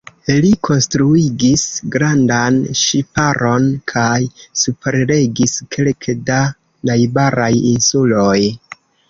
Li konstruigis grandan ŝiparon kaj superregis kelke da najbaraj insuloj.